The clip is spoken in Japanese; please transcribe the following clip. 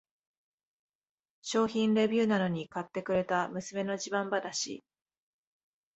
商品レビューなのに買ってくれた娘の自慢話